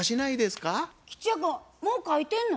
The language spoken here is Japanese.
吉弥君もう書いてんの？